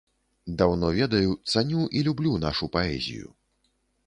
Даўно ведаю, цаню і люблю нашу паэзію.